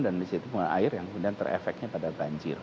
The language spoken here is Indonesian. dan disitu air yang kemudian terefeknya pada banjir